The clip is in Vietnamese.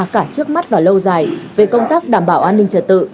cả trước mắt và lâu dài về công tác đảm bảo an ninh trật tự